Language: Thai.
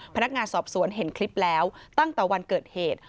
พนักงานสอบสวนเห็นคลิปแล้วตั้งแต่วันเกิดเหตุ